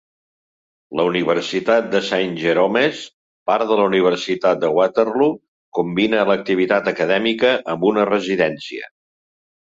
La universitat de Saint Jerome's, part de la universitat de Waterloo, combina l'activitat acadèmica amb una residència.